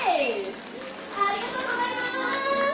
ありがとうございます！